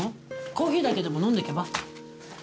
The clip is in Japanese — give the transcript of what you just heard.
コーヒーだけでも飲んでいけば？